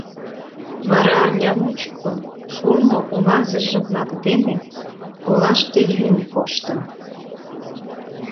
Вара арня мучко шурно улазыже-влак дене олаште йӱын коштын.